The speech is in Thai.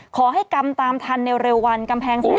ขอให้กำตามธันในเรลวัลกำแพงศพอัพพันธุ์